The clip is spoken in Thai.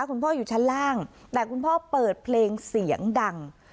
คุณพ่ออยู่ชั้นล่างแต่คุณพ่อเปิดเพลงเสียงดัง